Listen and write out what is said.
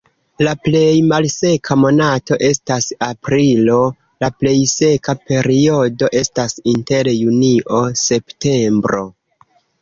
La plej malseka monato estas aprilo, la plej seka periodo estas inter junio-septembro.